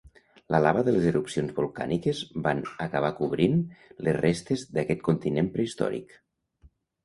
La lava de les erupcions volcàniques van acabar cobrint les restes d'aquest continent prehistòric.